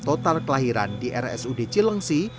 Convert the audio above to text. pertama ada enam bayi yang terkenal di rsud cilengsi